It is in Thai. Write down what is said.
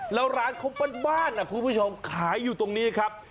แล้วร้านเขาบ้านนะคุณผู้ชมขายอยู่ตรงนี้ครับ